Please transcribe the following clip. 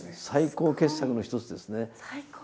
最高傑作の一つですね。